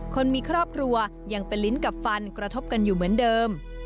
คนมีครอบครัวยังเป็นลิ้นกับฟันกระทบกันอยู่เหมือนเดิม